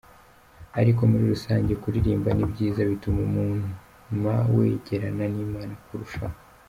Ariko muri rusange kuririmba ni byiza bituma wegerana n’Imana kurushaho.